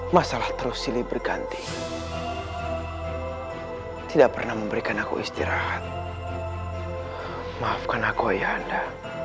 masalah terus silih berganti tidak pernah memberikan aku istirahat maafkan aku ya ada